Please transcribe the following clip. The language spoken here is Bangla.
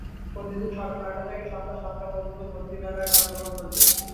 প্রতিদিন সকাল নয়টা থেকে সন্ধ্যা সাতটা পর্যন্ত ভর্তি মেলার কার্যক্রম চলবে।